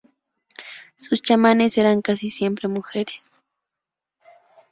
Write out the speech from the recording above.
Sus chamanes eran casi siempre mujeres.